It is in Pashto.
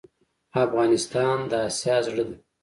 افغانستان د اسیا زړه ده